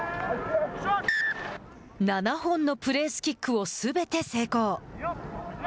７本のプレースキックをすべて成功。